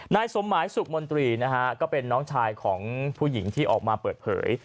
สมหมายสุขมนตรีนะฮะก็เป็นน้องชายของผู้หญิงที่ออกมาเปิดเผย